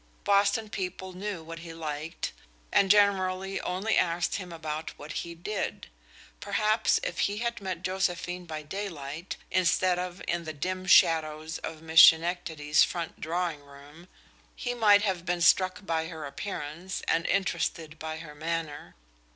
Boston people knew what he liked, and generally only asked him about what he did. Perhaps, if he had met Josephine by daylight, instead of in the dim shadows of Miss Schenectady's front drawing room, he might have been struck by her appearance and interested by her manner.